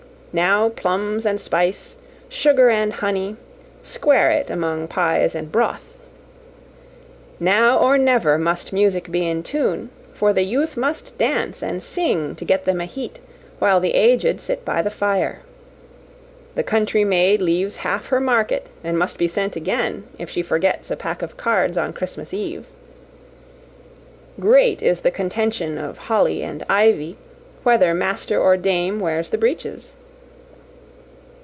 Now plums and spice, sugar and honey, square it among pies and broth. Now or never must music be in tune, for the youth must dance and sing to get them a heat, while the aged sit by the fire. The country maid leaves half her market, and must be sent again, if she forgets a pack of cards on Christmas eve. Great is the contention of Holly and Ivy, whether master or dame wears the breeches.